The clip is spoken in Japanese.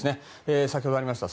先ほどありました